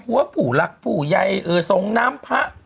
หัวผู้หลักผู้ใยเอ่อทรงน้ำพระ